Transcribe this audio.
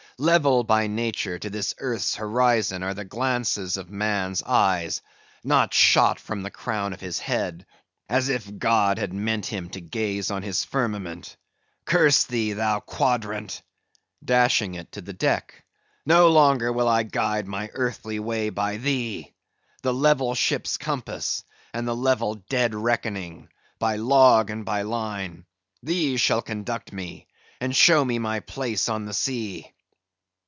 Level by nature to this earth's horizon are the glances of man's eyes; not shot from the crown of his head, as if God had meant him to gaze on his firmament. Curse thee, thou quadrant!" dashing it to the deck, "no longer will I guide my earthly way by thee; the level ship's compass, and the level dead reckoning, by log and by line; these shall conduct me, and show me my place on the sea.